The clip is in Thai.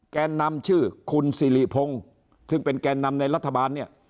แกนนำชื่อคุณสิริพงศ์ซึ่งเป็นแกนนำในรัฐบาลเนี่ย